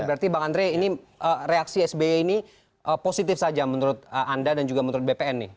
berarti bang andre ini reaksi sby ini positif saja menurut anda dan juga menurut bpn nih